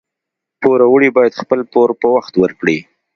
پوروړي باید خپل پور په وخت ورکړي